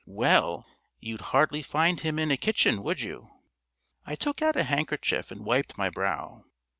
"Well, you'd hardly find him in a kitchen, would you?" I took out a handkerchief and wiped my brow.